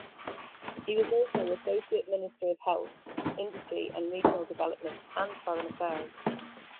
He was also Associate Minister of Health; Industry and Regional Development; and Foreign Affairs.